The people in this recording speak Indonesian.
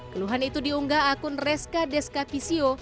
keluhan itu diunggah akun reska deska pisio